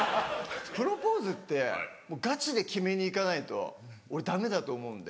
プロポーズってガチで決めに行かないと俺ダメだと思うんで。